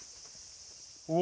お！